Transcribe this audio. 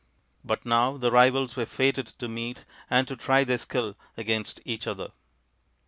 But now the rivals were fated to meet and to try their skill against each other.